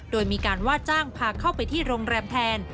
โดยมีการว่าจ้างพาเข้าไปที่โรงแรมแทน